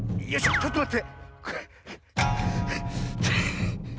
ちょっとまって。